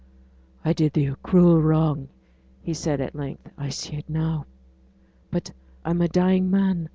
'I did thee a cruel wrong,' he said, at length. 'I see it now. But I'm a dying man.